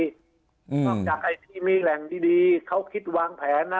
นอกจากไอ้ที่มีแหล่งดีเขาคิดวางแผนนะ